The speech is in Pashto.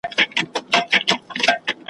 د یوه معتاد لخوا `